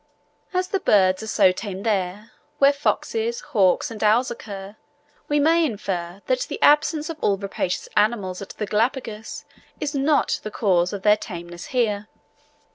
As the birds are so tame there, where foxes, hawks, and owls occur, we may infer that the absence of all rapacious animals at the Galapagos, is not the cause of their tameness here.